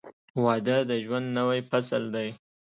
• واده د ژوند نوی فصل دی.